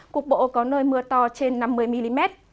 cục bộ có nơi mưa to trên năm mươi mm